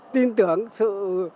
tin tưởng sự